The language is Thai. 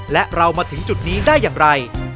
และเรามาถึงจุดนี้ได้อย่างไร